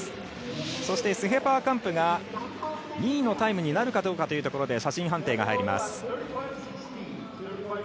そして、スヘパーカンプが２位のタイムになるかどうかというところで写真判定が入ります。